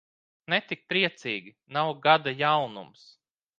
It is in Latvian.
Ne tik priecīgi, nav gada jaunums.